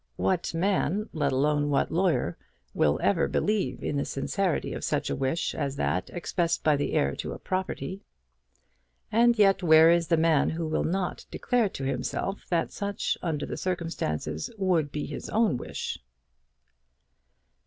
What man, let alone what lawyer, will ever believe in the sincerity of such a wish as that expressed by the heir to a property? And yet where is the man who will not declare to himself that such, under such circumstances, would be his own wish?